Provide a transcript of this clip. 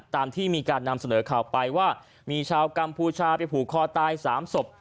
ตามที่มีการนำเสนอข่าวไปว่ามีชาวกัมพูชาไปผูกคอตาย๓ศพ